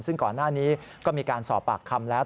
ซึ่งก่อนหน้านี้ก็มีการสอบปากคำแล้ว